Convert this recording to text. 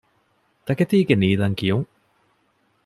ތަކެތީގެ ނީލަންކިޔުން